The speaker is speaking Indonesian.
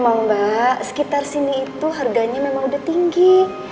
oh mbak sekitar sini itu harganya memang udah tinggi